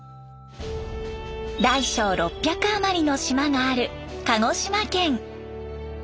大小６００あまりの島がある鹿児島県。